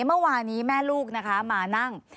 เมื่อวานนี้แม่ลูกนะคะมานั่ง